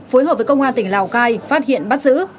phối hợp với công an tỉnh lào cai phát hiện bắt giữ